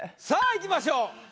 さぁいきましょう。